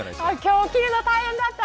今日起きるの大変だった。